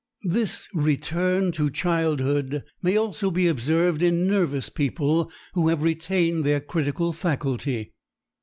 This "return to childhood" may also be observed in nervous people who have retained their critical faculty.